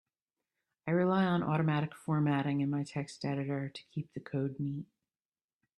I rely on automatic formatting in my text editor to keep the code neat.